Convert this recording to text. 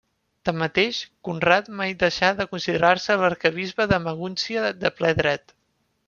Tanmateix, Conrad mai deixà de considerar-se l'arquebisbe de Magúncia de ple dret.